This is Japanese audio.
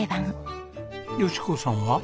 淑子さんは？